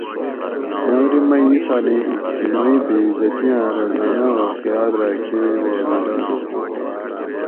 مغرب مئ اسالیں اجتماعی بےعزتی آں روزانہ واقعات رہ کئ واویلا نہ ہوانت